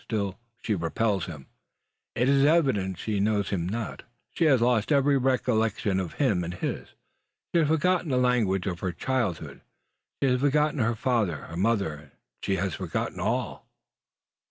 Still she repels him. It is evident she knows him not. She has lost every recollection of him and his. She has forgotten the language of her childhood; she has forgotten her father, her mother: she has forgotten all!